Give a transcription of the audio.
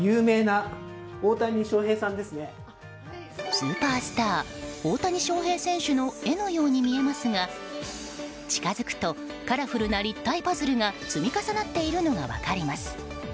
スーパースター大谷翔平選手の絵のように見えますが近づくとカラフルな立体パズルが積み重なっているのが分かります。